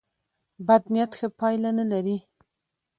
بد نیت ښه پایله نه لري.